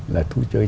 là thú chơi